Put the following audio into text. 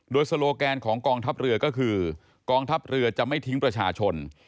โดยโซโลแกนของกองทัพเรือก็คือกองทัพเรือจะไม่ทิ้งประชาชน